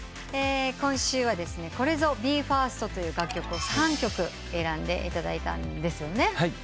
今週はこれぞＢＥ：ＦＩＲＳＴという楽曲を３曲選んでいただいたんですよね？